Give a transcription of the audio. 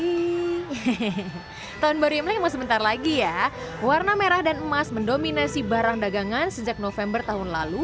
hehehe tahun baru imlek emang sebentar lagi ya warna merah dan emas mendominasi barang dagangan sejak november tahun lalu